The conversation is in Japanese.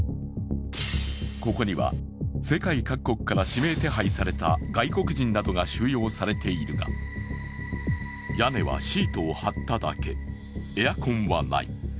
ここには世界各国から指名手配された外国人などが収容さっれているが、屋根はシートを張っただけ、エアコンはない。